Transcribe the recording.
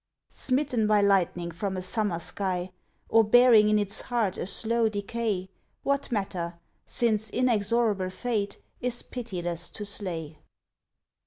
Smitten by lightning from a summer sky, Or bearing in its heart a slow decay, What matter, since inexorable fate Is pitiless to slay.